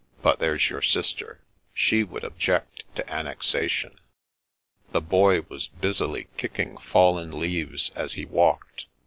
But there's your sister; she would object to annexation." The Boy was busily kicking fallen leaves as he walked.